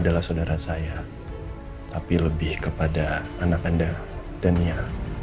bukan pada saya tapi lebih kepada anak anda dan nia